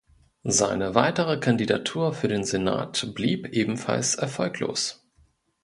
Seine weitere Kandidatur für den Senat blieb ebenfalls erfolglos.